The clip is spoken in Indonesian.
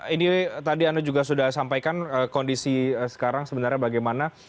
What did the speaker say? ini tadi anda juga sudah sampaikan kondisi sekarang sebenarnya bagaimana